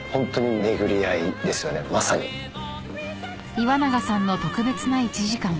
［岩永さんの特別な１時間］